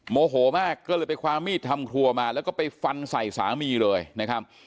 โมโหมากก็เลยไปคว้ามีดทำครัวมาแล้วก็ไปฟันใส่สามีเลยนะครับ